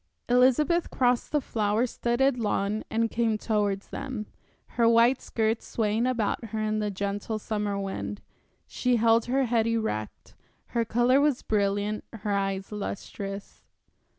Elizabeth crossed the flower studded lawn and came towards them, her white skirts swaying about her in the gentle summer wind. She held her head erect, her color was brilliant, her eyes lustrous.